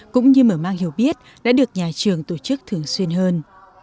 cũng như mở mang hiểu biết đã được nhà trường tổ chức thường xuyên hơn